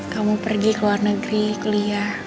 kamu pergi ke luar negeri kuliah